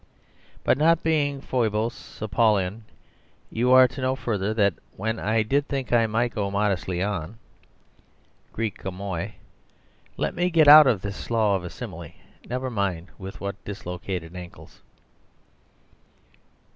But not being Phoibos Apollon, you are to know further that when I did think I might go modestly on ... [Greek: ômoi], let me get out of this slough of a simile, never mind with what dislocated ankles."